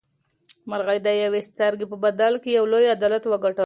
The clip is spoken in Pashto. مرغۍ د یوې سترګې په بدل کې یو لوی عدالت وګټلو.